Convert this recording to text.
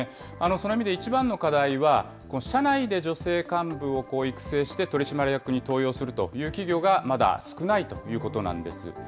その意味で一番の課題は、社内で女性幹部を育成して取締役に登用するという企業がまだ少ないということなんです。